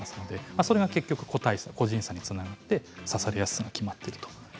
それが結局個体差個人差につながって刺されやすさが決まってきます。